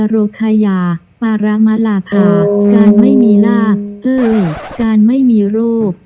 โรคคายาปารามะลาพาการไม่มีลาบเอ้ยการไม่มีโรค